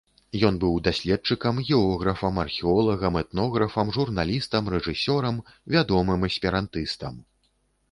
Ён быў даследчыкам, географам, археолагам, этнографам, журналістам, рэжысёрам, вядомым эсперантыстам.